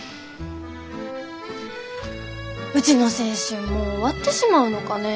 うちの青春もう終わってしまうのかね。